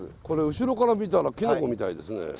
これ後ろから見たらきのこみたいですね。